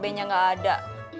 mba be nya gak ada